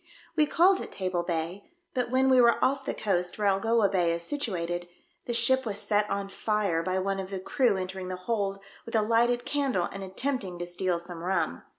We called at Table Bay, but when we were off the coast where Algoa Bay is situated, the ship was set on fire by one of the crew entering the hold with a lighted candle and attempting to steal some rum.